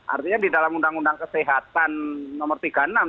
artinya di dalam undang undang kesehatan nomor tiga puluh enam tahun dua ribu sembilan